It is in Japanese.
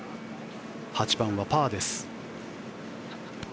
８番はパーです。